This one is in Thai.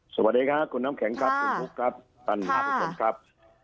สวัสดีค่ะคุณน้ำแข็งครับคุณกุศครับตันหาทุกคนครับ